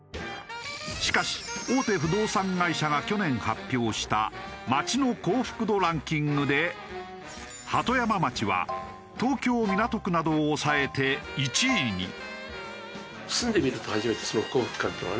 しかし大手不動産会社が去年発表した街の幸福度ランキングで鳩山町は東京港区などを抑えて１位に。